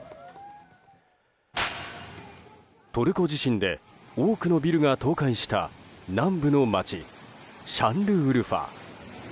トルコ地震で多くのビルが倒壊した南部の街シャンルウルファ。